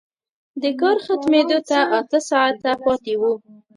د کار ختمېدو ته اته ساعته پاتې وو